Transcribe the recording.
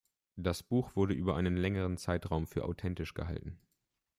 Das Buch wurde über einen längeren Zeitraum für authentisch gehalten.